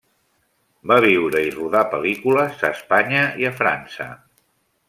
Va viure i rodar pel·lícules a Espanya i a França.